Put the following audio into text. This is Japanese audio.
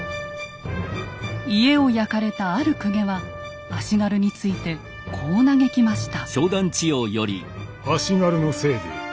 家を焼かれたある公家は足軽についてこう嘆きました。